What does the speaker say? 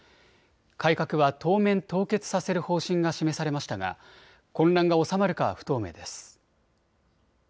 改革は当面凍結させる方針が示されましたが混乱が収まるかは不透明です。